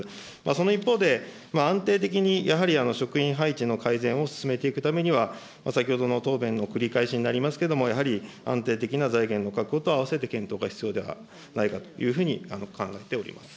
その一方で、安定的にやはり職員配置の改善を進めていくためには、先ほどの答弁の繰り返しになりますけれども、やはり、安定的な財源の確保と併せて検討が必要ではないかというふうに考